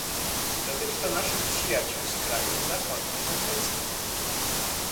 Dotyczy to naszych przyjaciół z krajów zachodnionordyckich